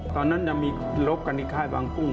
ตอนนั้นยังมีลบกันในค่ายบางกุ้ง